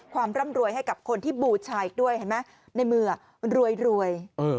ความร่ำรวยให้กับคนที่บูชายด้วยในมือรวย